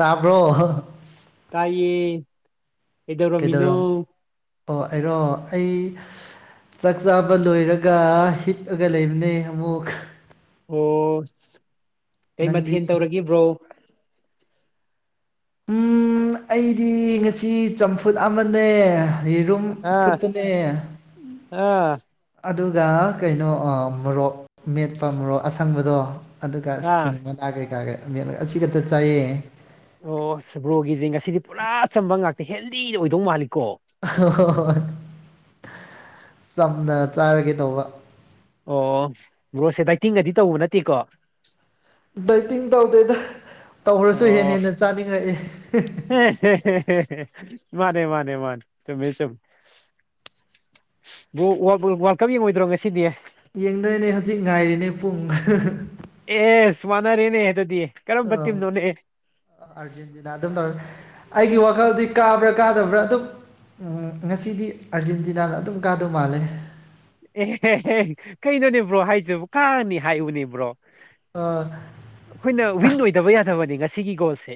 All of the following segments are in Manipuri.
ꯇꯥꯕ꯭ꯔꯣ ꯇꯥꯏꯌꯦ ꯀꯩꯗꯧꯔꯝꯃꯤꯅꯣ ꯀꯩꯗꯧꯔꯝ ꯑꯣ ꯑꯩꯔꯣ ꯑꯩ ꯆꯥꯛ ꯆꯥꯕ ꯂꯣꯏꯔꯒ ꯍꯤꯞꯑꯒ ꯂꯩꯕꯅꯦ ꯑꯃꯨꯛ ꯑꯣ ꯀꯩ ꯅꯪꯗꯤ ꯃꯊꯦꯟ ꯇꯧꯔꯒꯦ ꯕ꯭ꯔꯣ ꯎꯝ ꯑꯩꯗꯤ ꯉꯁꯤ ꯆꯝꯐꯨꯠ ꯑꯃꯅꯦ ꯍꯩꯔꯨꯝ ꯑꯥ ꯐꯨꯠꯇꯅꯦ ꯑꯥ ꯑꯗꯨꯒ ꯀꯩꯅꯣ ꯑ ꯃꯣꯔꯣꯛ ꯃꯦꯠꯄ ꯃꯣꯔꯣꯛ ꯑꯁꯪꯕꯗꯣ ꯑꯗꯨꯒ ꯑꯥ ꯁꯤꯡ ꯃꯅꯥ ꯀꯩꯀꯥꯒ ꯃꯦꯠꯂꯒ ꯑꯁꯤ ꯈꯛꯇ ꯆꯥꯏꯌꯦ ꯑꯣ ꯑꯁ ꯕ꯭ꯔꯣꯒꯤꯖꯦ ꯉꯁꯤꯗꯤ ꯄꯨꯔꯥ ꯑꯆꯝꯕ ꯉꯥꯛꯇ ꯍꯦꯜꯗꯤꯗ ꯑꯣꯏꯗꯧ ꯃꯥꯜꯂꯤꯀꯣ ꯍꯣꯏ ꯍꯣꯏ ꯍꯣꯏ ꯆꯝꯅ ꯆꯥꯔꯒꯦ ꯇꯧꯕ ꯑꯣ ꯕ꯭ꯔꯣꯁꯦ ꯗꯥꯏꯇꯤꯡꯒꯗꯤ ꯇꯧꯕ ꯅꯠꯇꯦꯀꯣ ꯗꯥꯏꯇꯤꯡ ꯇꯧꯗꯦꯗ ꯇꯧꯔꯁꯨ ꯍꯦꯟꯅ ꯍꯦꯟꯅ ꯆꯥꯅꯤꯡꯔꯛꯏ ꯍꯦ ꯍꯦ ꯍꯦ ꯍꯦ ꯍꯦ ꯃꯥꯅꯦ ꯃꯥꯅꯦ ꯃꯥꯅꯦ ꯆꯨꯝꯃꯦ ꯆꯨꯝ ꯕ꯭ꯔꯣ ꯋꯥꯕ ꯋꯥꯔꯜ ꯀꯞ ꯌꯦꯡꯉꯣꯏꯗ꯭ꯔꯣ ꯉꯁꯤꯗꯤ ꯌꯦꯡꯗꯣꯏꯅꯦ ꯍꯧꯖꯤꯛ ꯉꯥꯏꯔꯤꯅꯦ ꯄꯨꯡ ꯑꯦꯁ ꯋꯥꯅꯔꯦꯅꯦ ꯑꯗꯨꯗꯤ ꯀꯔꯝꯕ ꯇꯤꯝꯅꯣꯅꯦ ꯑꯥꯔꯖꯦꯟꯇꯤꯅꯥ ꯑꯗꯨꯝ ꯇꯧꯔꯦ ꯑꯩꯒꯤ ꯋꯥꯈꯜꯗꯤ ꯀꯥꯕ꯭ꯔꯥ ꯀꯥꯗꯕ꯭ꯔꯥ ꯑꯗꯨꯝ ꯎꯝ ꯉꯁꯤꯗꯤ ꯑꯥꯔꯖꯦꯟꯇꯤꯅꯥꯅ ꯑꯗꯨꯝ ꯀꯥꯗꯧ ꯃꯥꯜꯂꯦ ꯑꯦꯍꯦꯍꯦ ꯀꯩꯅꯣꯅꯦ ꯕ꯭ꯔꯣ ꯍꯥꯏꯁꯤꯕ ꯀꯥꯔꯅꯤ ꯍꯥꯏꯌꯨꯅꯦ ꯕ꯭ꯔꯣ ꯑꯥ ꯑꯩꯈꯣꯏꯅ ꯋꯤꯟ ꯑꯣꯏꯗꯕ ꯌꯥꯗꯕꯅꯦ ꯉꯁꯤꯒꯤ ꯒꯣꯜꯁꯦ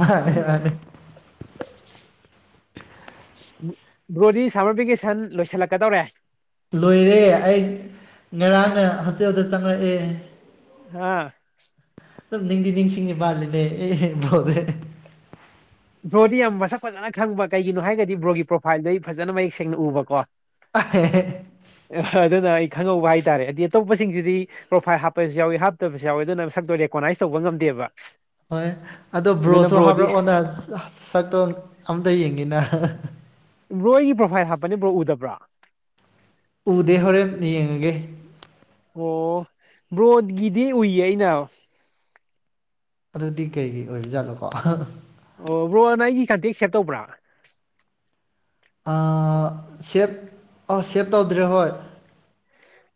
ꯃꯥꯅꯦ ꯃꯥꯅꯦ ꯕ꯭ꯔꯣꯗꯤ ꯁꯥꯃ꯭ꯔ ꯚꯦꯀꯦꯁꯟ ꯂꯣꯏꯁꯤꯜꯂꯛꯀꯗꯧꯔꯦ ꯂꯣꯏꯔꯦ ꯑꯩ ꯉꯔꯥꯡꯅ ꯍꯣꯁꯇꯦꯜꯗ ꯆꯪꯂꯛꯑꯦ ꯍꯥ ꯑꯗꯨꯝ ꯅꯤꯡꯗꯤ ꯅꯤꯡꯁꯤꯡꯉꯤ ꯃꯥꯜꯂꯤꯅꯦ ꯑꯦ ꯕ꯭ꯔꯣꯖꯦ ꯕ꯭ꯔꯣꯗꯤ ꯌꯥꯝ ꯃꯁꯛ ꯐꯖꯅ ꯈꯪꯕ ꯀꯩꯒꯤꯅꯣ ꯍꯥꯏꯔꯒꯗꯤ ꯕ꯭ꯔꯣꯒꯤ ꯄ꯭ꯔꯣꯐꯥꯏꯜꯗꯣ ꯑꯩ ꯐꯖꯅ ꯃꯌꯦꯛ ꯁꯦꯡꯅ ꯎꯕ ꯀꯣ [inaudible] ꯑꯗꯨꯅ ꯑꯩ ꯈꯪꯍꯧꯕ ꯍꯥꯏꯇꯥꯔꯦ ꯑꯩꯗꯤ ꯑꯇꯣꯞꯄꯁꯤꯡꯁꯤꯗꯤ ꯄ꯭ꯔꯣꯐꯥꯏꯜ ꯍꯥꯞꯄꯁꯨ ꯌꯥꯎꯋꯤ ꯍꯥꯞꯇꯕꯁꯨ ꯌꯥꯎꯋꯤ ꯑꯗꯨꯅ ꯃꯁꯛꯇꯣ ꯔꯦꯀꯣꯅꯥꯏꯁ ꯇꯧꯕ ꯉꯝꯗꯦꯕ ꯍꯣꯏ ꯑꯗꯣ ꯑꯗꯨꯅ ꯕ꯭ꯔꯣꯁꯨ ꯕ꯭ꯔꯣꯗꯤ ꯍꯥꯞꯔꯛꯑꯣꯅ ꯁꯛꯇꯣ ꯑꯝꯇ ꯌꯦꯡꯒꯦꯅ ꯕ꯭ꯔꯣ ꯑꯩꯒꯤ ꯄ꯭ꯔꯣꯐꯥꯏꯜ ꯍꯥꯞꯄꯅꯦ ꯕ꯭ꯔꯣ ꯎꯗꯕ꯭ꯔꯣ ꯎꯗꯦ ꯍꯣꯔꯦꯟ ꯌꯦꯡꯉꯒꯦ ꯑꯣ ꯕ꯭ꯔꯣꯠꯒꯤꯗꯤ ꯎꯏꯌꯦ ꯑꯩꯅ ꯑꯗꯨꯗꯤ ꯀꯩꯒꯤ ꯑꯣꯏꯕꯖꯥꯠꯅꯣꯀꯣ ꯑꯣ ꯕ꯭ꯔꯣꯅ ꯑꯩꯒꯤ ꯀꯟꯇꯦꯛ ꯁꯦꯞ ꯇꯧꯕ꯭ꯔꯥ ꯑꯥ ꯁꯦꯞ ꯑ ꯁꯦꯞ ꯇꯧꯗ꯭ꯔꯦ ꯍꯣꯏ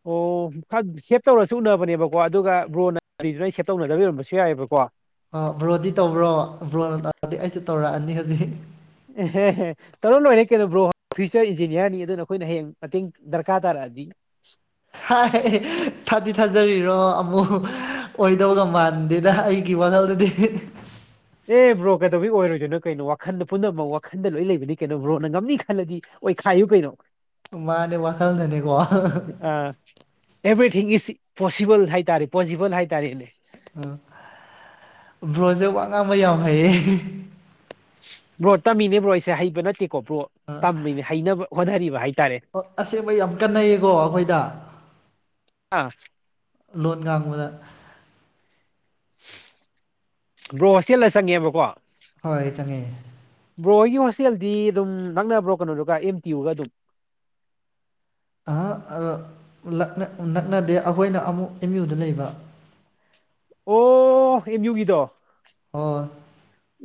ꯑꯣ ꯐꯠ ꯁꯦꯞ ꯇꯧꯔꯁꯨ ꯎꯅꯕꯅꯦꯕꯀꯣ ꯑꯗꯨꯒ ꯕ꯭ꯔꯣꯅ ꯀꯔꯤꯗꯨꯅ ꯑꯩ ꯁꯦꯞ ꯇꯧꯅꯗꯕꯩ ꯑꯣꯏꯔꯝꯕꯁꯨ ꯌꯥꯏꯑꯕꯀꯣ ꯑ ꯕ꯭ꯔꯣꯗꯤ ꯇꯧꯕ꯭ꯔꯣ ꯕ꯭ꯔꯣꯅ ꯇꯧꯔꯛꯑꯗꯤ ꯑꯩꯁꯨ ꯇꯧꯔꯛꯑꯅꯤ ꯍꯧꯖꯤꯛ ꯑꯦꯍꯦꯍꯦꯠ ꯇꯧꯔ ꯂꯣꯏꯔꯦ ꯀꯩꯅꯣ ꯕ꯭ꯔꯣ ꯐ꯭ꯌꯨꯆ꯭ꯔ ꯏꯟꯖꯤꯅꯤꯌꯥꯔꯅꯤ ꯑꯗꯨꯅ ꯑꯩꯈꯣꯏꯅ ꯍꯌꯦꯡ ꯃꯇꯦꯡ ꯗ꯭ꯔꯀꯥꯔ ꯇꯥꯔꯛꯑꯗꯤ ꯍꯥꯏ ꯊꯥꯗꯤ ꯊꯥꯖꯔꯤꯔꯣ ꯑꯃꯨꯛ ꯑꯣꯏꯗꯧꯒ ꯃꯥꯟꯗꯦꯗ ꯑꯩ ꯒꯤ ꯋꯥꯈꯜꯗꯗꯤ ꯑꯦ ꯕ꯭ꯔꯣ ꯀꯩꯗꯧꯕꯩ ꯑꯣꯏꯔꯣꯏꯗꯣꯏꯅꯣ ꯀꯩꯅꯣ ꯋꯥꯈꯟꯗ ꯄꯨꯅꯃꯛ ꯋꯥꯈꯟꯗ ꯂꯣꯏ ꯂꯩꯕꯅꯤ ꯀꯩꯅꯣ ꯕ꯭ꯔꯣꯅ ꯉꯝꯅꯤ ꯈꯜꯂꯗꯤ ꯑꯣꯏꯈꯥꯏꯌꯨ ꯀꯩꯩꯅꯣ ꯃꯥꯅꯦ ꯋꯥꯈꯜꯗꯅꯦꯀꯣ꯫ ꯑꯦꯚ꯭ꯔꯤꯊꯤꯡ ꯏꯁ ꯄꯣꯁꯤꯕꯜ ꯍꯥꯏꯇꯥꯔꯦ ꯄꯣꯁꯤꯕꯜ ꯍꯥꯏꯇꯥꯔꯦꯅꯦ꯫ ꯑꯣ ꯕ꯭ꯔꯣꯁꯦ ꯋꯥ ꯉꯥꯡꯕ ꯌꯥꯝ ꯍꯩꯌꯦ꯫ ꯕ꯭ꯔꯣ ꯇꯝꯃꯤꯅꯦ ꯕ꯭ꯔꯣ ꯑꯩꯁꯦ ꯍꯩꯕ ꯅꯠꯇꯦꯀꯣ ꯕ꯭ꯔꯣ ꯇꯝꯃꯤꯅꯦ ꯍꯩꯅꯕ ꯍꯣꯠꯅꯔꯤꯕ ꯍꯥꯏꯇꯥꯔꯦ꯫ ꯑꯣ ꯑꯁꯦꯡꯕ ꯌꯥꯝ ꯀꯥꯟꯟꯅꯩꯌꯦꯀꯣ ꯑꯩꯈꯣꯏꯗ꯫ ꯑꯥ ꯂꯣꯟ ꯉꯥꯡꯕꯗ꯫ ꯕ꯭ꯔꯣ ꯍꯣꯁꯇꯦꯜꯗ ꯆꯪꯉꯦꯕꯀꯣ꯫ ꯍꯣꯏ ꯆꯪꯉꯦ꯫ ꯕ꯭ꯔꯣ ꯍꯣꯏꯒꯤ ꯍꯣꯁꯇꯦꯜꯗꯤ ꯑꯗꯨꯝ ꯅꯛꯅꯕ꯭ꯔꯣ ꯀꯩꯅꯣꯗꯨꯒ ꯑꯦꯝ ꯇꯤꯌꯨꯒ ꯑꯗꯨꯝ꯫ ꯑꯍꯥ ꯑ ꯂꯛꯅ ꯅꯛꯅꯗꯦ ꯑꯩꯈꯣꯏꯅ ꯑꯃꯨꯛ ꯑꯦꯝ ꯌꯨꯗ ꯂꯩꯕ꯫ ꯑꯣ ꯑꯦꯝꯌꯨꯒꯤꯗꯣ꯫ ꯑꯣꯏ꯫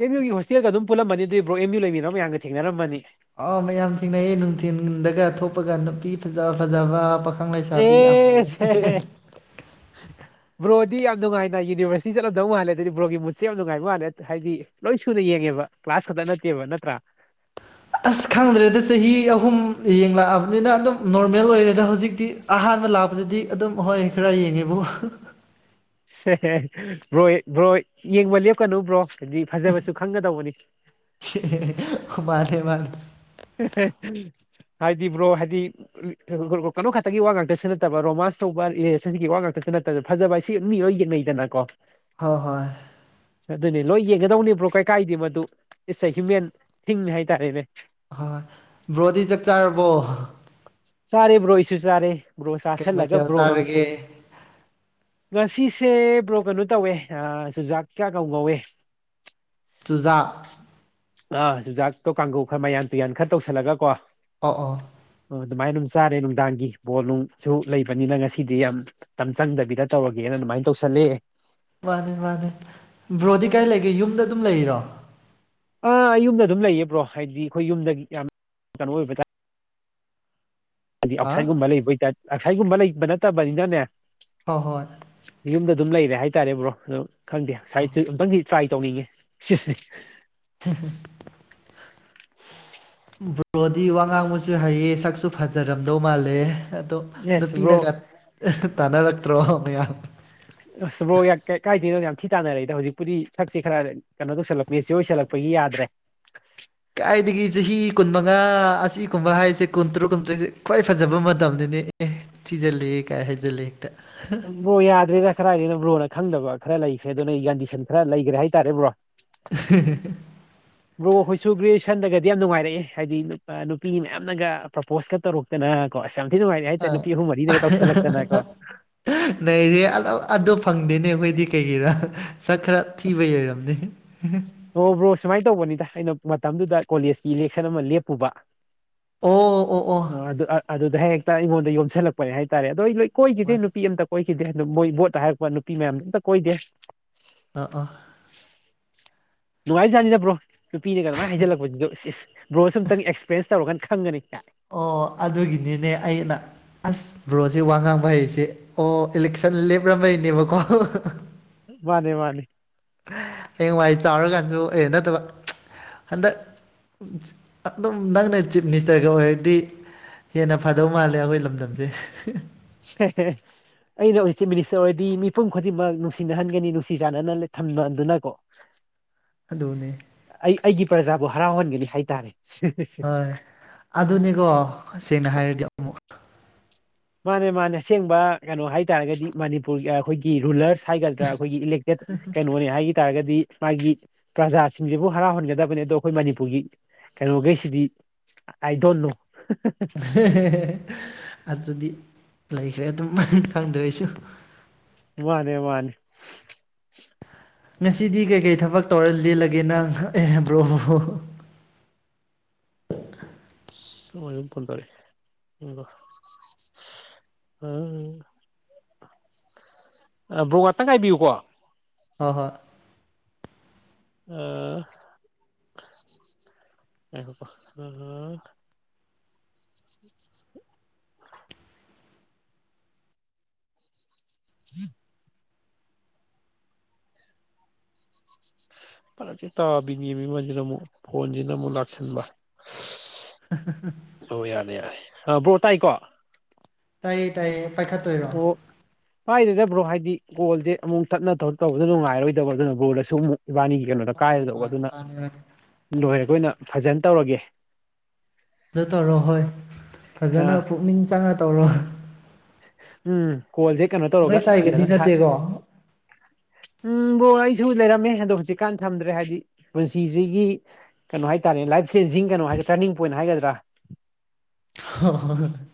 ꯑꯦꯝ ꯌꯨꯒꯤ ꯍꯣꯁꯇꯦꯜꯒ ꯑꯗꯨꯝ ꯄꯨꯜꯂꯝꯃꯅꯤ ꯑꯗꯨꯗꯤ ꯕ꯭ꯔꯣ ꯑꯦꯝ ꯌꯨ ꯂꯩꯃꯤꯟꯅ ꯃꯌꯥꯝꯒ ꯊꯦꯡꯅꯔꯝꯃꯅꯤ꯫ ꯑꯥꯎ ꯃꯌꯥꯝ ꯊꯦꯡꯅꯩꯌꯦ ꯅꯨꯡꯊꯤꯟꯗꯒ ꯊꯣꯛꯄꯒ ꯅꯨꯄꯤ ꯐꯖ ꯐꯖꯕ꯫ ꯄꯥꯈꯪ ꯂꯩꯁꯥꯕꯤ ꯌꯥꯝ ꯑꯦꯁ ꯎꯏꯌꯦ꯫ [inaudible] ꯕ꯭ꯔꯣꯗꯤ ꯌꯥꯝ ꯅꯨꯡꯉꯥꯏꯅ ꯌꯨꯅꯤꯚꯔꯁꯤꯇꯤ ꯆꯠꯂꯝꯗꯧ ꯃꯥꯜꯂꯦ ꯑꯗꯨꯗꯤ ꯕ꯭ꯔꯣꯒꯤ ꯃꯨꯠꯁꯦ ꯌꯥꯝ ꯅꯨꯡꯉꯥꯏꯕ ꯃꯥꯜꯂꯦ ꯍꯥꯏꯗꯤ꯫ ꯂꯣꯏ ꯁꯨꯅ ꯌꯦꯡꯉꯦꯕ ꯀ꯭ꯂꯥꯁ ꯈꯛꯇ ꯅꯠꯇꯦꯕ ꯅꯠꯇ꯭ꯔꯥ꯫ ꯑꯁ ꯈꯪꯗ꯭ꯔꯦꯗ ꯆꯍꯤ ꯑꯍꯨꯝ ꯌꯦꯡꯂꯛꯑꯕꯅꯤꯅ ꯑꯗꯨꯝ ꯅꯣꯔꯃꯦꯜ ꯑꯣꯏꯔꯦꯗ ꯍꯧꯖꯤꯛꯇꯤ꯫ ꯑꯍꯥꯟꯕ ꯂꯥꯛꯄꯗꯗꯤ ꯑꯗꯨꯝ ꯍꯣꯏ ꯈꯔ ꯌꯦꯡꯉꯦꯕꯨ꯫ ꯕ꯭ꯔꯣ ꯕ꯭ꯔꯣ ꯌꯦꯡꯕ ꯂꯦꯞꯀꯅꯨ ꯕ꯭ꯔꯣ ꯍꯥꯏꯗꯤ ꯐꯖꯕꯁꯨ ꯈꯪꯒꯗꯧꯕꯅꯤ꯫ ꯃꯥꯟꯅꯦ ꯃꯥꯟꯅꯦ꯫ ꯍꯥꯏꯗꯤ ꯕ꯭ꯔꯣ ꯍꯥꯏꯗꯤ꯫ ꯀꯩꯅꯣ ꯈꯛꯇꯒꯤ ꯋꯥ ꯉꯥꯛꯇꯁꯨ ꯅꯠꯇꯕ ꯔꯣꯃꯥꯟꯁ ꯇꯧꯕ ꯔꯤꯂꯦꯁꯟꯒꯤ ꯋꯥ ꯉꯥꯛꯇꯁꯨ ꯅꯠꯇ꯫ ꯐꯖꯕ ꯍꯥꯏꯁꯤ ꯃꯤ ꯂꯣꯏ ꯌꯦꯡꯅꯩꯗꯅꯀꯣ꯫ ꯍꯣꯏ ꯍꯣꯏ꯫ ꯑꯗꯨꯅꯦ ꯂꯣꯏ ꯌꯦꯡꯒꯗꯧꯅꯦ ꯕ꯭ꯔꯣ ꯀꯩ ꯀꯥꯏꯗꯤ ꯃꯗꯨ꯫ ꯏꯠꯁ ꯑ ꯍ꯭ꯌꯨꯃꯦꯟ ꯊꯤꯡ ꯍꯥꯏꯇꯥꯔꯦꯅꯦ꯫ ꯍꯣꯏ ꯕ꯭ꯔꯣꯗꯤ ꯆꯥꯛ ꯆꯥꯔꯕꯣ꯫ ꯆꯥꯔꯦ ꯕ꯭ꯔꯣ ꯑꯩꯁꯨ ꯆꯥꯔꯦ꯫ ꯕ꯭ꯔꯣ ꯀꯩ ꯆꯥꯁꯤꯜꯂꯒ ꯃꯊꯦꯜ ꯕ꯭ꯔꯣꯒ ꯆꯥꯔꯒꯦ꯫ ꯉꯁꯤꯁꯦ ꯕ꯭ꯔꯣ ꯀꯩꯅꯣ ꯇꯧꯋꯦ ꯆꯨꯖꯥꯛꯀ ꯀꯥꯡꯉꯧꯉꯧꯋꯦ꯫ ꯆꯨꯖꯥꯛ꯫ ꯑꯥ ꯆꯨꯖꯥꯛꯇꯣ ꯀꯥꯡꯒꯧ ꯈꯔ ꯃꯌꯥꯟ ꯇꯨꯌꯥꯟ ꯈꯔ ꯇꯧꯁꯜꯂꯒꯀꯣ꯫ ꯑꯣ ꯑꯣ꯫ ꯑꯣ ꯑꯗꯨꯃꯥꯏꯅ ꯑꯗꯨꯝ ꯆꯥꯔꯦ ꯅꯨꯡꯗꯥꯡꯒꯤ ꯕꯣꯜ ꯅꯨꯡꯁꯨ ꯂꯩꯕꯅꯤꯅ ꯉꯁꯤꯗꯤ ꯌꯥꯝ꯫ ꯃꯇꯝ ꯆꯪꯗꯕꯤꯗ ꯇꯧꯔꯒꯦꯅ ꯑꯗꯨꯃꯥꯏ ꯇꯧꯁꯜꯂꯦ꯫ ꯃꯥꯅꯦ ꯃꯥꯅꯦ ꯕ꯭ꯔꯣꯗꯤ ꯀꯥꯏ ꯂꯩꯒꯦ ꯌꯨꯝꯗ ꯑꯗꯨꯝ ꯂꯩꯔꯤꯔꯣ꯫ ꯑꯥ ꯌꯨꯝꯗ ꯑꯗꯨꯝ ꯂꯩꯌꯦ ꯕ꯭ꯔꯣ ꯍꯥꯏꯗꯤ ꯑꯩꯈꯣꯏ ꯌꯨꯝꯗ ꯌꯥꯝ ꯀꯩꯅꯣ ꯑꯣꯏꯕ꯫ ꯍꯥꯏꯗꯤ ꯍꯥ ꯑꯥꯎꯠꯁꯥꯏꯠꯒꯨꯝꯕ ꯂꯩꯕꯩ ꯑꯣꯏꯇꯥ ꯑꯥꯎꯁꯥꯏꯠꯒꯨꯝꯕ ꯂꯩꯕ ꯅꯠꯇꯕꯅꯤꯅꯅꯦ꯫ ꯍꯣꯏ ꯍꯣꯏ꯫ ꯌꯨꯝꯗ ꯑꯗꯨꯝ ꯂꯩꯔꯦ ꯍꯥꯏꯇꯥꯔꯦ ꯕ꯭ꯔꯣ ꯑꯗꯣ ꯈꯪꯗꯦ ꯁꯥꯏꯠꯆꯤꯛ ꯑꯝꯇꯡꯗꯤ꯫ ꯇ꯭ꯔꯥꯏ ꯇꯧꯅꯤꯡꯉꯤ ꯁꯤꯁꯦ꯫ ꯍ ꯍ꯫ ꯕ꯭ꯔꯣꯗꯤ ꯋꯥ ꯉꯥꯡꯕꯁꯨ ꯍꯩꯌꯦ ꯁꯛꯁꯨ ꯐꯖꯔꯝꯗꯧ ꯃꯥꯜꯂꯦ꯫ ꯑꯗꯣ ꯌꯦꯁ ꯕ꯭ꯔꯣ ꯅꯨꯄꯤꯅꯒ ꯇꯥꯟꯅꯔꯛꯇ꯭ꯔꯣ ꯃꯌꯥꯝ꯫ ꯑꯁ ꯕ꯭ꯔꯣ ꯌꯥꯛ ꯀ ꯀꯥꯏꯗꯩꯅꯣꯗ ꯌꯥꯝ ꯊꯤ ꯇꯥꯟꯅꯔꯛꯏꯗ ꯍꯧꯖꯤꯛꯄꯨꯗꯤ ꯁꯛꯁꯦ ꯈꯔ꯫ ꯀꯩꯅꯣ ꯇꯧꯁꯜꯂꯛꯄꯒꯤ ꯁꯤꯑꯣꯏꯁꯜꯂꯛꯄꯒꯤ ꯌꯥꯗ꯭ꯔꯦ꯫ ꯀꯥꯏꯗꯒꯤ ꯆꯍꯤ ꯀꯨꯟꯃꯉꯥ ꯑꯁꯤꯒꯨꯝꯕ ꯍꯥꯏꯁꯦ ꯀꯨꯟꯇꯔꯨꯛ ꯀꯨꯟꯇ꯭ꯔꯦꯛꯁꯦ ꯈ꯭ꯋꯥꯏ ꯐꯖꯕ ꯃꯇꯝꯅꯤꯅꯦ ꯑꯦ꯫ ꯊꯤꯖꯜꯂꯦꯍꯦ ꯀꯥꯏ ꯍꯥꯏꯖꯜꯂꯦ ꯍꯦꯛꯇ꯫ ꯕ꯭ꯔꯣ ꯌꯥꯗ꯭ꯔꯦꯗ ꯀꯔꯥꯏꯗꯩꯩꯅꯣ ꯕ꯭ꯔꯣꯅ ꯈꯪꯗꯕ ꯈꯔ ꯂꯩꯈ꯭ꯔꯦ ꯑꯗꯨꯅ ꯌꯥꯟꯗꯤꯁꯟ ꯈꯔ ꯂꯩꯒ꯭ꯔꯦ ꯍꯥꯏꯇꯥꯔꯦ ꯕ꯭ꯔꯣ [unintelligible] ꯕ꯭ꯔꯣ ꯑꯩꯈꯣꯏꯁꯨ ꯒ꯭ꯔꯦꯖꯨꯋꯦꯁꯟꯗꯒꯗꯤ ꯌꯥꯝ ꯅꯨꯡꯉꯥꯏꯔꯛꯑꯦ ꯍꯥꯏꯗꯤ ꯅꯨꯄꯥ ꯅꯨꯄꯤ ꯃꯌꯥꯝꯅꯒ ꯄ꯭ꯔꯣꯄꯣꯁꯀꯥ ꯇꯧꯔꯛ ꯇꯅ ꯀꯣ ꯑꯁ ꯌꯥꯝ ꯊꯤ ꯅꯨꯡꯉꯥꯏꯔꯛꯑꯦ ꯍꯥꯏꯇꯥꯔꯦ ꯅꯨꯄꯤ ꯑꯍꯨꯝ ꯃꯔꯤꯅꯒ ꯇꯧꯁꯤꯜꯂꯛꯇꯅ ꯀꯣ ꯅꯩꯔꯦ ꯑꯗꯣ ꯑꯗꯣ ꯐꯪꯗꯦꯅꯦ ꯑꯩꯈꯣꯏꯗꯤ ꯀꯩꯒꯤꯔꯥ ꯁꯛ ꯈꯔ ꯊꯤꯕꯩ ꯑꯁ ꯑꯣꯏꯔꯝꯅꯤ ꯑꯣ ꯕ꯭ꯔꯣ ꯁꯨꯃꯥꯏ ꯇꯧꯕꯅꯤꯗ ꯑꯩꯅ ꯃꯇꯝꯗꯨꯗ ꯀꯣꯂꯦꯖꯀꯤ ꯏꯂꯦꯛꯁꯟ ꯑꯃ ꯂꯦꯞꯄꯨꯕ ꯑꯣ ꯑꯗꯨ ꯑꯗꯨꯗ ꯍꯦꯛꯇ ꯑꯩꯉꯣꯟꯗ ꯌꯣꯝꯁꯤꯜꯂꯛꯄꯅꯦ ꯍꯥꯏꯇꯥꯔꯦ ꯑꯗꯣ ꯂꯣꯏ ꯀꯣꯏꯈꯤꯗꯦ ꯑꯥ ꯅꯨꯄꯤ ꯑꯝꯇ ꯀꯣꯏꯈꯤꯗꯦ ꯑꯗꯣ ꯃꯣꯏ ꯚꯣꯠꯇ ꯍꯥꯏꯔꯛꯄ ꯅꯨꯄꯤ ꯃꯌꯥꯝ ꯑꯝꯇ ꯀꯣꯏꯗꯦ ꯗꯥ ꯑꯥ ꯅꯨꯡꯉꯥꯏꯖꯥꯠꯅꯤꯗꯕ꯭ꯔꯣ ꯅꯨꯄꯤꯅ ꯑꯗꯨꯃꯥꯏꯅ ꯍꯥꯏꯖꯤꯜꯂꯛꯄꯁꯤꯁꯨ ꯏꯁ ꯏꯁ ꯕ꯭ꯔꯣꯁꯨ ꯑꯃꯨꯛꯇꯪ ꯑꯦꯛꯁꯄꯤꯔꯦꯟꯁ ꯇꯧꯔꯀꯥꯟ ꯈꯪꯒꯅꯤ [unintelligible] ꯑꯣ ꯑꯗꯨꯒꯤꯗꯤꯅꯦ ꯑꯩꯅ ꯑꯁ ꯕ꯭ꯔꯣꯁꯦ ꯋꯥ ꯉꯥꯡꯕ ꯍꯩꯁꯦ ꯑꯣ ꯏꯂꯦꯛꯁꯟ ꯂꯦꯞꯔꯝꯕꯩꯅꯦꯕꯀꯣ ꯃꯥꯅꯦ ꯃꯥꯅꯦ ꯍꯌꯦꯡꯋꯥꯏ ꯆꯥꯎꯔꯀꯥꯟꯁꯨ ꯑꯩ ꯅꯠꯇꯕ ꯍꯟꯗꯛ ꯑꯗꯨꯝ ꯅꯪꯅ ꯆꯤꯞ ꯃꯤꯅꯤꯁꯇꯔꯒ ꯑꯣꯏꯔꯗꯤ ꯍꯦꯟꯅ ꯐꯗꯧ ꯃꯥꯜꯂꯦ ꯑꯩꯈꯣꯏ ꯂꯝꯗꯝꯁꯦ [unintelligible] ꯑꯩꯅ ꯑꯣꯏ ꯆꯤꯞ ꯃꯤꯅꯤꯁꯇꯔ ꯑꯣꯏꯔꯗꯤ ꯃꯤꯄꯨꯝ ꯈꯨꯗꯤꯡꯃꯛ ꯅꯨꯡꯁꯤꯅꯍꯟꯒꯅꯤ ꯅꯨꯡꯁꯤ ꯆꯥꯟꯅꯅ ꯊꯝꯅꯗꯨꯅ ꯀꯣ [inaudible] ꯑꯗꯨꯅꯦ ꯑꯩ ꯑꯩꯒꯤ ꯄ꯭ꯔꯖꯥꯕꯨ ꯍꯔꯥꯎꯍꯟꯒꯅꯤ ꯍꯥꯏꯇꯥꯔꯦ ꯍꯣꯏ ꯑꯗꯨꯅꯤꯀꯣ ꯁꯦꯡꯅ ꯍꯥꯏꯔꯗꯤ ꯑꯃꯨꯛ ꯃꯥꯅꯦ ꯃꯥꯅꯦ ꯑꯁꯦꯡꯕ ꯀꯩꯅꯣ ꯍꯥꯏꯇꯔꯥꯒꯗꯤ ꯃꯅꯤꯄꯨꯔꯒꯤ ꯑꯩꯈꯣꯏꯒꯤ ꯔꯨꯂꯔꯁ ꯍꯥꯏꯒꯗ꯭ꯔꯥ ꯑꯩꯈꯣꯏꯒꯤ ꯏꯂꯦꯛꯇꯦꯠ ꯀꯩꯅꯣꯅꯦ ꯍꯥꯏ- ꯇꯥꯔꯒꯗꯤ ꯃꯥꯒꯤ ꯄ꯭ꯔꯖꯥꯁꯤꯡꯁꯤꯕꯨ ꯍꯔꯥꯎꯍꯟꯒꯗꯕꯅꯤ ꯑꯗꯣ ꯑꯩꯈꯣꯏ ꯃꯅꯤꯄꯨꯔꯒꯤ ꯀꯩꯅꯣꯒꯩꯁꯤꯗꯤ ꯑꯥꯏꯗꯣꯟꯅꯣ [unintelligible] ꯑꯗꯨꯗꯤ ꯂꯩꯈ꯭ꯔꯦ ꯑꯗꯨꯝ ꯈꯪꯗ꯭ꯔꯦ ꯑꯩꯁꯨ ꯋꯔꯦ ꯋꯅꯦ ꯉꯁꯤꯗꯤ ꯀꯩꯀꯩ ꯊꯕꯛ ꯇꯧꯔ ꯂꯤꯜꯂꯒꯦ ꯅꯪ ꯑꯦ ꯕ꯭ꯔꯣ ꯏꯁ ꯑꯃꯁꯤꯃꯨꯛ ꯐꯣꯟ ꯄꯥꯏꯔꯛꯑꯦ [unintelligible] [unintelligible] ꯕ꯭ꯔꯣ ꯉꯇꯪ ꯉꯥꯏꯕꯤꯌꯨꯀꯣ ꯍꯣ ꯍꯣꯏ ꯑꯥ ꯉꯥꯏꯈꯣꯀꯣ ꯑꯍꯥ [unintelligible] [unintelligible] ꯐꯔꯛꯁꯦ ꯇꯥꯕꯤꯅꯦꯃꯤ ꯑꯃꯁꯤꯅ ꯑꯃꯨꯛ ꯐꯣꯟꯁꯤꯅ ꯑꯃꯨꯛ ꯂꯥꯛꯁꯤꯟꯕ ꯑꯣ ꯌꯥꯗ ꯌꯥꯏ ꯑꯥ ꯕ꯭ꯔꯣ ꯇꯥꯏꯀꯣ ꯇꯥꯏꯌꯦ ꯇꯥꯏꯌꯦ ꯄꯥꯏꯈꯠꯇꯣꯏꯔꯣ ꯄꯥꯏꯗꯦꯗ ꯕ꯭ꯔꯣ ꯍꯥꯏꯗꯤ ꯀꯣꯜꯁꯦ ꯑꯃꯨꯛ ꯇꯠꯅ ꯇꯧ ꯇꯧꯕꯗꯣ ꯅꯨꯡꯉꯥꯏꯔꯔꯣꯏꯗꯕ ꯑꯗꯨꯅ ꯕ꯭ꯔꯣꯗꯁꯨ ꯑꯃꯨꯛ ꯏꯕꯥꯅꯤꯒꯤ ꯀꯩꯅꯣꯗ ꯃꯥꯅꯤ ꯀꯥꯏꯔꯗꯧꯕ ꯃꯥꯅꯤ ꯑꯗꯨꯅ ꯃꯥꯅꯤ ꯑꯗꯨ ꯂꯣꯏꯔꯒ ꯑꯣꯏꯅ ꯐꯖꯅ ꯇꯧꯔꯒꯦ ꯑꯗꯨ ꯇꯧꯔꯣ ꯍꯣꯏ ꯐꯖꯅ ꯑꯥ ꯄꯨꯛꯅꯤꯡ ꯆꯪꯅ ꯇꯧꯔꯣ ꯎꯝ ꯀꯣꯜꯁꯦ ꯀꯩꯅꯣ ꯅꯣꯏ ꯇꯧꯔꯒ ꯁꯥꯏꯒꯗꯤ ꯐꯖꯅ ꯁꯥꯠ ꯅꯠꯇꯦꯀꯣ ꯎꯝ ꯕꯣ ꯑꯩꯁꯨ ꯂꯩꯔꯝꯃꯦ ꯑꯗꯣ ꯍꯧꯖꯤꯛꯀꯥꯟ ꯊꯝꯗ꯭ꯔꯦ ꯍꯥꯏꯗꯤ ꯄꯨꯟꯁꯤꯁꯤꯒꯤ ꯀꯩꯅꯣ ꯍꯥꯏꯇꯥꯔꯦ ꯂꯥꯏꯞ ꯆꯦꯟꯖꯤꯡ ꯀꯩꯅꯣ ꯍꯥꯏ ꯇꯔꯅꯤꯡ ꯄꯣꯏꯟ ꯍꯥꯏꯒꯗ꯭ꯔꯥ [unintelligible]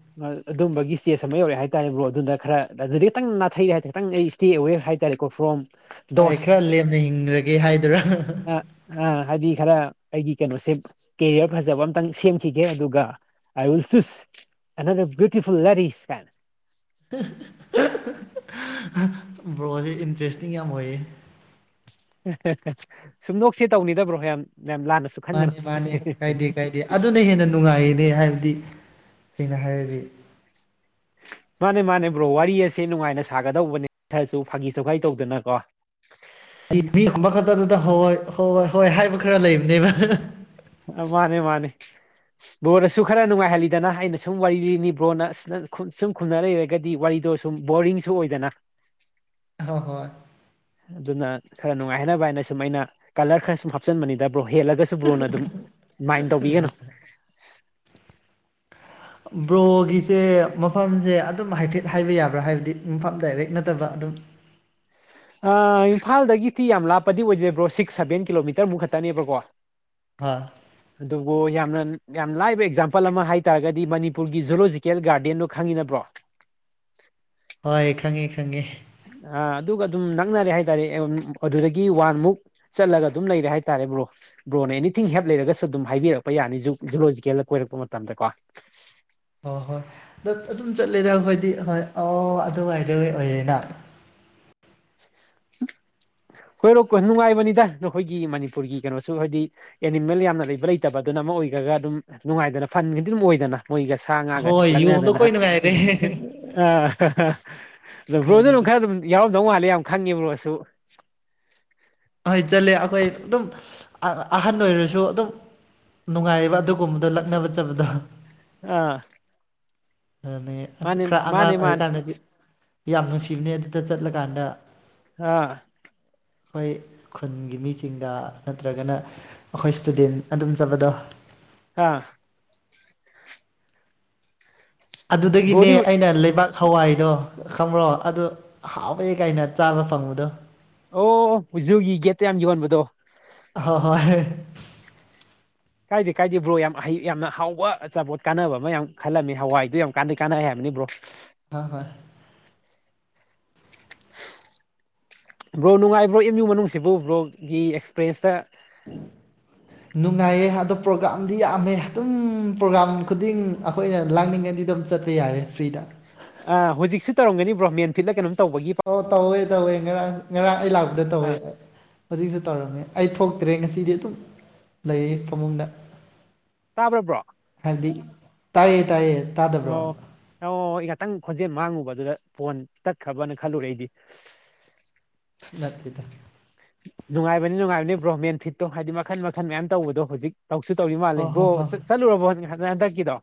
ꯑꯗꯨꯝꯕꯒꯤ ꯏꯁꯇꯦꯖ ꯑꯃ ꯌꯧꯔꯛꯑꯦ ꯍꯥꯏꯇꯥꯔꯦ ꯕ꯭ꯔꯣ ꯑꯗꯨꯅ ꯈꯔ ꯑꯗꯨꯗꯩ ꯈꯤꯛꯇꯪ ꯅꯥꯊꯩꯔꯦ ꯍꯥꯏꯇꯥꯏ ꯈꯤꯇꯪ ꯑꯩ ꯏꯁꯇꯦ ꯑꯋꯦ ꯍꯥꯏꯇꯥꯔꯦ ꯀꯐ꯭ꯔꯣꯝ ꯥ [unintelligible] ꯈꯔ ꯂꯦꯝꯅ ꯍꯤꯡꯈ꯭ꯔꯒꯦ ꯍꯥꯏꯗꯣꯏꯔꯥ ꯑ ꯑ ꯍꯥꯏꯗꯤ ꯈꯔ ꯑꯩꯒꯤ ꯀꯩꯅꯣꯁꯦ ꯀꯦꯔꯤꯌꯔ ꯐꯖꯕ ꯑꯝꯇꯪ ꯁꯦꯝꯈꯤꯒꯦ ꯑꯗꯨꯒ [unintelligible] [unintelligible] ꯕ꯭ꯔꯣꯖꯦ ꯏꯟꯇꯔꯦꯁꯇꯤꯡ ꯌꯥꯝ ꯑꯣꯏꯌꯦ [unintelligible] ꯁꯨꯝ ꯅꫭꯛꯁꯦ ꯇꯧꯅꯤꯗ ꯕ꯭ꯔꯣ ꯌꯥꯝ ꯌꯥꯝ ꯂꯥꯟꯅ ꯁꯨꯝ ꯃꯥꯅꯤ ꯃꯥꯅꯤ ꯀꯥꯏꯗꯦ ꯀꯥꯏꯗꯦ ꯑꯗꯨꯅ ꯍꯦꯟꯅ ꯅꯨꯡꯉꯥꯏꯌꯦꯅꯦ ꯍꯥꯏꯕꯗꯤ ꯁꯦꯡꯅ ꯍꯥꯏꯔꯗꯤ [inaudible] ꯃꯥꯅꯦ ꯃꯥꯅꯦ ꯕ꯭ꯔꯣ ꯋꯥꯔꯤ ꯑꯁꯦ ꯅꯨꯡꯉꯥꯏꯅ ꯁꯥꯒꯗꯧꯕꯅꯦ ꯈꯔꯁꯨ ꯐꯥꯒꯤ ꯆꯨꯒꯥꯏ ꯇꯧꯗꯅ ꯀꯣ [unintelligible] ꯍꯣꯏ ꯍꯣꯏ ꯍꯣꯏ ꯍꯥꯏꯕ ꯈꯔ ꯂꯩꯕꯅꯦꯕ ꯑ ꯃꯥꯅꯦ ꯃꯥꯅꯦ ꯕ꯭ꯔꯣꯅꯁꯨ ꯈꯔ ꯅꯨꯡꯉꯥꯏꯍꯜꯂꯤꯗꯅ ꯑꯩꯅ ꯁꯨꯝ ꯋꯥꯔꯤ ꯂꯤꯅꯤ ꯕ꯭ꯔꯣꯅ ꯁ ꯁꯨꯝ ꯈꯨꯝꯅ ꯂꯩꯔꯒꯗꯤ ꯋꯥꯔꯤꯗꯣ ꯁꯨꯝ ꯕꯣꯔꯤꯡꯁꯨ ꯑꯣꯏꯗꯥꯅ [unintelligible] ꯑꯗꯨꯅ ꯈꯔ ꯅꯨꯡꯉꯥꯏꯍꯟꯅꯅꯕ ꯍꯥꯏꯅ ꯁꯨꯝ ꯑꯩꯅ ꯀꯂꯔ ꯈꯔ ꯁꯨꯝ ꯍꯥꯞꯆꯤꯟꯕꯅꯤꯗ ꯕ꯭ꯔꯣ ꯍꯦꯜꯂꯒꯁꯨ ꯕ꯭ꯔꯣꯅ ꯑꯗꯨꯝ ꯃꯥꯏꯅ ꯇꯧꯕꯤꯒꯅꯨ ꯕ꯭ꯔꯣꯒꯤꯁꯦ ꯃꯐꯝꯁꯦ ꯑꯗꯨꯝ ꯍꯥꯏꯐꯦꯠ ꯍꯥꯏꯕ ꯌꯥꯕ꯭ꯔꯥ ꯍꯥꯏꯕꯗꯤ ꯃꯐꯝ ꯗꯥꯏꯔꯦꯛ ꯅꯠꯇꯕ ꯑꯗꯨꯝ ꯑ ꯏꯝꯐꯥꯜꯗꯒꯤꯗꯤ ꯌꯥꯝ ꯂꯥꯞꯄꯗꯤ ꯑꯣꯏꯗꯔꯦ ꯕ꯭ꯔꯣ ꯁꯤꯛꯁ ꯁꯚꯦꯟ ꯀꯤꯂꯣꯃꯤꯇꯔꯃꯨꯛ ꯈꯛꯇꯅꯦꯕꯀꯣ [unintelligible] ꯑꯗꯨꯕꯨ ꯌꯥꯝꯅ ꯌꯥꯝ ꯂꯥꯏꯕ ꯑꯦꯛꯖꯥꯝꯄꯜ ꯑꯃ ꯍꯥꯏ ꯇꯥꯔꯒꯗꯤ ꯃꯅꯤꯄꯨꯔꯒꯤ ꯖꯨꯂꯣꯖꯤ ꯀꯦꯜ ꯒꯥꯔꯗꯦꯟꯗꯣ ꯈꯪꯉꯤꯅ ꯕ꯭ꯔꯣ ꯍꯣꯏ ꯈꯪꯉꯦ ꯈꯪꯉꯦ ꯑ ꯑꯗꯨꯒ ꯑꯗꯨꯝ ꯅꯛꯅꯔꯦ ꯍꯥꯏꯇꯥꯔꯦ ꯑꯦꯝ ꯑꯗꯨꯗꯒꯤ ꯋꯥꯟꯃꯨꯛ ꯆꯠꯂꯒ ꯑꯗꯨꯝ ꯂꯩꯔꯦ ꯍꯥꯏꯇꯥꯔꯦ ꯕ꯭ꯔꯣ ꯕ꯭ꯔꯣꯅ ꯑꯦꯅꯤꯊꯤꯡ ꯍꯦꯞ ꯂꯩꯔꯒꯁꯨ ꯑꯗꯨꯝ ꯍꯥꯏꯕꯤꯔꯛꯄ ꯌꯥꯅꯤ ꯖꯨ ꯖꯨꯂꯣꯖꯤꯀꯦꯜꯗ ꯀꯣꯏꯔꯛꯄ ꯃꯇꯝꯗ ꯀꯣ ꯍꯣ ꯍꯣꯏ ꯗ ꯑꯗꯨꯝ ꯆꯠꯂꯦꯗ ꯑꯈꯣꯏꯗꯤ ꯍꯣꯏ ꯑꯣ ꯑꯗꯨꯋꯥꯏꯗꯒꯤ ꯑꯣꯏꯔꯦꯅ [unintelligible] ꯀꯣꯏꯔꯣ ꯅꯨꯡꯉꯥꯏꯕꯅꯤꯗ ꯅꯈꯣꯏꯒꯤ ꯃꯅꯤꯄꯨꯔꯒꯤ ꯀꯩꯅꯣꯁꯨ ꯍꯥꯏꯗꯤ ꯑꯦꯅꯤꯃꯦꯜ ꯌꯥꯝꯅ ꯂꯩꯕ ꯂꯩꯇꯕ ꯑꯗꯨꯅ ꯑꯃ ꯑꯣꯏꯈ꯭ꯔꯒ ꯑꯗꯨꯝ ꯅꯨꯡꯉꯥꯏꯗꯅ ꯐꯟ ꯒꯗꯤ ꯑꯗꯨꯝ ꯑꯣꯏꯗꯅ ꯃꯣꯏꯒ ꯁꯥ ꯉꯥꯒ ꯍꯣꯏ ꯌꯣꯡꯗꯣ ꯂꯛꯅꯗꯅ ꯑꯩꯈꯣꯏ ꯅꯨꯡꯉꯥꯏꯔꯦ [unintelligible] ꯑꯗꯣ ꯕ꯭ꯔꯣꯗꯨ ꯑꯗꯨꯝ ꯈꯔ ꯑꯗꯨꯝ ꯌꯥꯎꯔꯝꯗꯧ ꯃꯥꯜꯂꯦ ꯌꯥꯝ ꯈꯪꯉꯦ ꯕ꯭ꯔꯣꯁꯨ ꯍꯣꯏ ꯆꯠꯂꯦ ꯑꯈꯣꯏ ꯑꯗꯨꯝ ꯑꯍꯟ ꯑꯣꯏꯔꯁꯨ ꯑꯗꯨꯝ ꯅꯨꯡꯉꯥꯏꯌꯦꯕ ꯑꯗꯨꯒꯨꯝꯕꯗꯣ ꯂꯛꯅꯕ ꯆꯠꯄꯗꯣ ꯑꯥ [unintelligible] ꯑꯁ ꯃꯥꯅꯦ ꯈ꯭ꯔꯥ ꯃꯥꯅꯦ ꯑꯉꯥꯡ ꯃꯥꯅꯦ ꯑꯣꯏꯔꯛꯀꯥꯟꯗꯗꯤ ꯌꯥꯝ ꯅꯨꯡꯁꯤꯕꯅꯦ ꯑꯗꯨꯗ ꯆꯠꯂꯀꯥꯟꯗ ꯑ ꯍꯣꯏ ꯈꯨꯟꯒꯤ ꯃꯤꯁꯤꯡꯗ ꯅꯠꯇ꯭ꯔꯒꯅ ꯑꯈꯣꯏ ꯁ꯭ꯇꯨꯗꯦꯟ ꯑꯗꯨꯝ ꯆꯄꯗꯣ [unintelligible] ꯑꯗꯨꯗꯒꯤꯅꯦ ꯕ꯭ꯔꯣꯗꯤ ꯑꯩꯅꯦ ꯂꯩꯕꯥꯛ ꯍꯋꯥꯏꯗꯣ ꯈꯪꯕ꯭ꯔꯣ ꯑꯗꯨ ꯍꯥꯎꯋꯦ ꯀꯥꯏꯅ ꯆꯥꯕ ꯐꯪꯕꯗꯣ ꯑꯣ ꯖꯨꯒꯤ ꯒꯦꯠꯇ ꯌꯥꯝ ꯌꯣꯟꯕꯗꯣ ꯍꯣ ꯍꯣꯏ ꯀꯥꯏꯗꯦ ꯀꯥꯏꯗꯦ ꯕ꯭ꯔꯣ ꯌꯥꯝ ꯍꯩ ꯌꯥꯝꯅ ꯍꯥꯎꯕ ꯑꯆꯥꯄꯣꯠ ꯀꯥꯟꯅꯕ ꯑꯃ ꯌꯥꯝ ꯈꯜꯂꯝꯃꯤ ꯍꯋꯥꯏꯗꯨ ꯌꯥꯝ ꯀꯥꯟꯗꯤ ꯀꯥꯟꯅꯩ ꯍꯥꯏꯕꯅꯤ ꯕ꯭ꯔꯣ ꯍ ꯍꯣꯏ ꯕ꯭ꯔꯣ ꯅꯨꯡꯉꯥꯏ ꯕ꯭ꯔꯣ ꯑꯦꯝ ꯌꯨ ꯃꯅꯨꯡꯁꯤꯕꯨ ꯕ꯭ꯔꯣꯒꯤ ꯑꯦꯛꯁꯄꯔꯦꯁꯇ [inaudible] ꯅꯨꯡꯉꯥꯏꯌꯦ ꯑꯗꯣ ꯄ꯭ꯔꯣꯒꯥ꯭ꯔꯥꯝꯗꯤ ꯌꯥꯝꯃꯦ ꯑꯗꯨꯝ ꯄ꯭ꯔꯣꯒꯥ꯭ꯔꯥꯝ ꯈꯨꯗꯤꯡ ꯑꯈꯣꯏꯅ ꯂꯥꯡꯅꯤꯡꯉꯗꯤ ꯑꯗꯨꯝ ꯆꯠ ꯄ ꯌꯥꯔꯦ ꯐ꯭ꯔꯤꯗ ꯑ ꯍꯧꯖꯤꯛꯁꯨ ꯇꯧꯔꯝꯒꯅꯤ ꯕ꯭ꯔꯣ ꯃꯦꯟ ꯐꯤꯜꯗ ꯂ ꯀꯩꯅꯣꯝ ꯇꯧꯕꯒꯤ ꯑꯣ ꯇꯧꯋꯦ ꯇꯧꯋꯦ ꯉꯔꯥꯡ ꯉꯔꯥꯡ ꯑꯩ ꯂꯥꯛꯄꯗ ꯇꯧꯋꯦ ꯑ ꯍꯧꯖꯤꯛꯁꯨ ꯇꯧꯔꯝꯃꯦ ꯑꯩ ꯊꯣꯛꯇ꯭ꯔꯦ ꯉꯁꯤꯗꯤ ꯑꯗꯨꯝ ꯂꯩꯌꯦ ꯐꯃꯨꯡꯗ ꯇꯥꯕ꯭ꯔꯥꯕ꯭ꯔꯣ ꯍꯥꯏꯕꯗꯤ ꯇꯥꯏꯌꯦ ꯇꯥꯏꯌꯦ ꯇꯥꯗꯕ꯭ꯔꯣ ꯑꯣ ꯑ ꯍꯣꯏ ꯉꯥꯛꯇꯪ ꯈꯣꯟꯖꯦꯜ ꯃꯥꯡꯉꯨꯕ ꯑꯗꯨꯗ ꯐꯣꯟ ꯇꯠꯈ꯭ꯔꯕꯅ ꯈꯜꯂꯨꯔꯦ ꯑꯩꯗꯤ ꯅꯠꯇꯦꯗ ꯅꯨꯡꯉꯥꯏꯕꯅꯤ ꯅꯨꯡꯉꯥꯏꯕꯅꯤ ꯕ꯭ꯔꯣꯃꯦꯟ ꯐꯤꯠꯇꯣ ꯍꯥꯏꯗꯤ ꯃꯈꯟ ꯃꯈꯟ ꯃꯌꯥꯝ ꯇꯧꯕꯗꯣ ꯍꯧꯖꯤꯛ ꯇꯧꯁꯨ ꯇꯧꯔꯤ ꯃꯥꯜꯂꯦ ꯍꯣꯏ ꯍꯣꯏ ꯕ꯭ꯔꯣ ꯍꯣꯏ ꯆꯠ ꯆꯠꯂꯨꯔꯕꯣ ꯍꯟ ꯍꯟꯗꯛꯀꯤꯗꯣ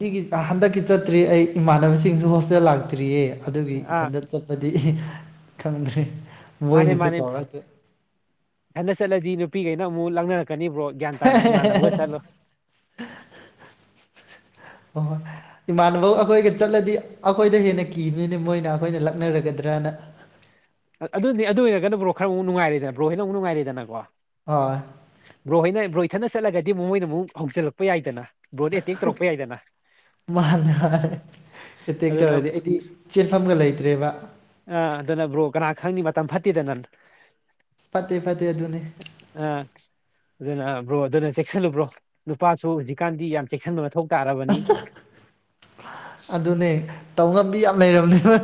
ꯉꯒꯤ ꯍꯟꯗꯛꯀꯤ ꯆꯠꯇ꯭ꯔꯤ ꯑꯩ ꯏꯃꯥꯟꯅꯕꯁꯤꯡꯁꯨ ꯍꯣꯁꯇꯦꯜ ꯂꯥꯛꯇ꯭ꯔꯤꯌꯦ ꯑꯗꯨꯒꯤ ꯑꯥ ꯏꯊꯟꯇ ꯆꯠꯄꯗꯤ ꯈꯪꯗ꯭ꯔꯦ ꯃꯥꯅꯦ ꯃꯣꯏꯅꯁꯨ ꯃꯥꯅꯦ ꯀꯧꯔꯛꯇꯦ ꯍꯟꯗ ꯆꯠꯂꯗꯤ ꯅꯨꯄꯤꯈꯩꯅ ꯑꯃꯨꯛ ꯂꯥꯡꯅꯔꯛꯀꯅꯤꯕ꯭ꯔꯣ ꯒ꯭ꯌꯥꯟ ꯇꯥꯅ ꯏꯃꯥꯟꯅꯕꯒ ꯆꯠꯂꯣ ꯑꯣ ꯏꯃꯥꯟꯅꯕꯧ ꯑꯩꯈꯣꯏꯒ ꯆꯠꯂꯗꯤ ꯑꯩꯈꯣꯏꯗ ꯍꯦꯟꯅ ꯀꯤꯕꯅꯤꯅ ꯃꯣꯏꯅ ꯑꯩꯈꯣꯏꯅ ꯂꯛꯅꯔꯒꯗ꯭ꯔꯅ ꯑꯗꯨꯗꯤ ꯑꯗꯨ ꯑꯣꯏꯔꯒꯅ ꯕ꯭ꯔꯣ ꯈꯔ ꯑꯃꯨꯛ ꯉꯥꯏꯦꯗ ꯕ꯭ꯔꯣ ꯍꯦꯟꯅ ꯑꯃꯨ ꯅꯨꯡꯉꯥꯏꯔꯤꯦꯗꯅꯣ ꯍꯣꯏ ꯕ꯭ꯔꯣ ꯍꯣꯏꯅ ꯕ꯭ꯔꯣꯏ ꯊꯅ ꯆꯠꯂꯒꯗꯤ ꯃꯣꯏꯅ ꯑꯃꯨꯛ ꯍꯧꯖꯤꯜꯂꯛꯄ ꯌꯥꯏꯗꯅ ꯕ꯭ꯔꯣꯗ ꯑꯦꯇꯦꯛ ꯇꯧꯔꯛꯄ ꯌꯥꯏꯗꯅ ꯃꯥꯅ ꯃꯥ ꯑꯦꯇꯦꯛ ꯑꯗꯨꯅ ꯇꯧꯔꯗꯤ ꯑꯩꯗꯤ ꯆꯦꯟꯐꯝꯒ ꯂꯩꯇ꯭ꯔꯦꯕ ꯑꯥ ꯑꯗꯨꯅ ꯕ꯭ꯔꯣ ꯀꯅꯥ ꯈꯪꯅꯤ ꯃꯇꯝ ꯐꯠꯇꯦꯗ ꯅꯪ ꯐꯠꯇꯦ ꯐꯠꯇꯦ ꯑꯗꯨꯅꯦ ꯑ ꯑꯗꯨꯅꯕ꯭ꯔꯣ ꯑꯗꯨꯅ ꯆꯦꯛꯁꯤꯜꯂꯨꯕ꯭ꯔꯣ ꯅꯨꯄꯥꯁꯨ ꯍꯧꯖꯤꯛꯀꯥꯟꯗꯤ ꯌꯥꯝ ꯆꯦꯛꯁꯤꯟꯕ ꯃꯊꯧ ꯇꯥꯕꯅꯤ ꯑꯗꯨꯅꯦ ꯇꯧ ꯉꯝꯕꯤ ꯌꯥꯝ ꯂꯩꯔꯕꯅꯦꯕ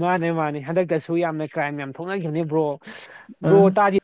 ꯃꯥꯅꯦ ꯃꯥꯅꯦ ꯍꯟꯗꯛꯇꯁꯨ ꯌꯥꯝꯅ ꯀ꯭ꯔꯥꯏꯝ ꯌꯥꯝ ꯊꯣꯛꯅꯈꯤꯕꯅꯤ ꯕ꯭ꯔꯣ ꯑ ꯕ꯭ꯔꯣ ꯇꯥꯗꯤ